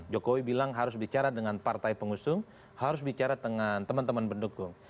jokowi bilang harus bicara dengan partai pengusung harus bicara dengan teman teman pendukung